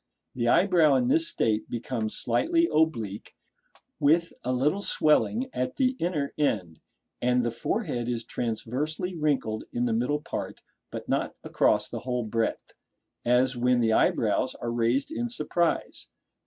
The eyebrow in this state becomes slightly oblique, with a little swelling at the Inner end; and the forehead is transversely wrinkled in the middle part, but not across the whole breadth, as when the eyebrows are raised in surprise.